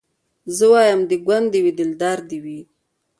زه وايم د ګوند دي وي دلدار دي وي